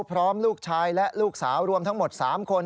พร้อมลูกชายและลูกสาวรวมทั้งหมด๓คน